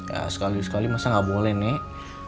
ya sekali sekali masa nggak boleh nek